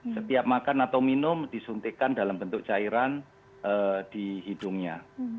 setiap makan atau minum disuntikan dalam bentuk cairan di hidungnya